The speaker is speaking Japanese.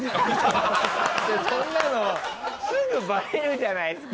そんなのすぐバレるじゃないですか。